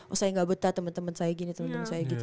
oh saya enggak betah temen temen saya gini temen temen saya gitu